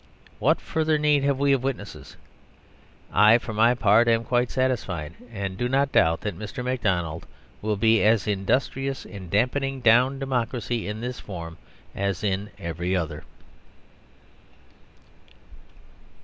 What further need have we of witnesses? I, for my part, am quite satisfied, and do not doubt that Mr. MacDonald will be as industrious in damping down democracy in this form as in every other.